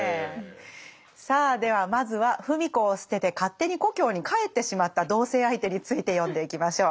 さあではまずは芙美子を捨てて勝手に故郷に帰ってしまった同棲相手について読んでいきましょう。